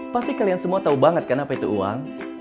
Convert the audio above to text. pasti kalian semua tau banget kan apa itu uang